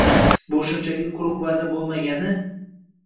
Bu shunchaki quruq va’da bo‘lmagani